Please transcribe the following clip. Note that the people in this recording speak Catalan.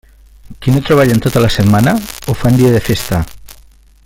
Qui no treballa en tota la setmana, ho fa en dia de festa.